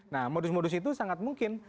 nah modus modus itu sangat mungkin